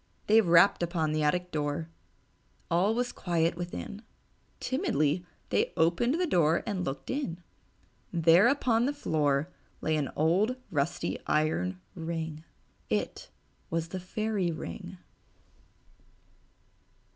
They rapped upon the attic door. All was quiet within. Timidly they opened the door and looked in. There upon the floor lay an old rusty iron ring. It was the Fairy Ring.